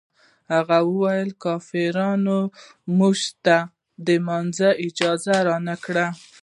هغه ویل کافران موږ ته د لمانځه اجازه نه راکوي.